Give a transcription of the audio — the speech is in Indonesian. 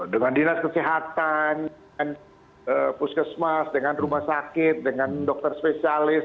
dengan dinas kesehatan dengan puskesmas dengan rumah sakit dengan dokter spesialis